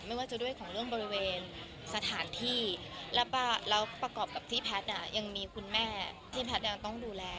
ไม่ว่าจะด้วยของเรื่องบริเวณสถานที่แล้วประกอบกับที่แพทย์ยังมีคุณแม่ที่แพทย์ยังต้องดูแล